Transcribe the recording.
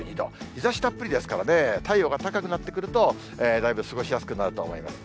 日ざしたっぷりですからね、太陽が高くなってくると、だいぶ過ごしやすくなると思います。